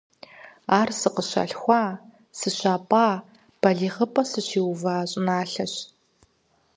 Ар сыкъыщалъхуа, сыщапӏа, балигъыпӏэ сыщиува щӏыналъэщ.